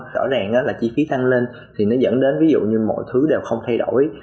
rõ ràng đó là chi phí tăng lên thì nó dẫn đến ví dụ như mọi thứ đều không thay đổi